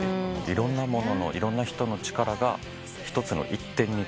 いろんなもののいろんな人の力が一つの一点に。